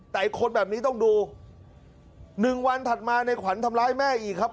แต่คนแบบนี้ต้องดู๑วันถัดมาในขวัญทำร้ายแม่อีกครับ